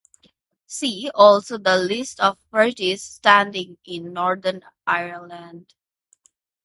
See also the list of parties standing in Northern Ireland.